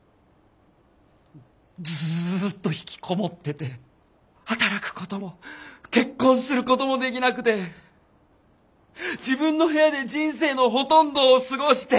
ずっとひきこもってて働くことも結婚することもできなくて自分の部屋で人生のほとんどを過ごして死ぬ！